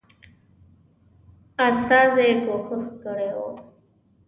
استازي کوښښ کړی وو.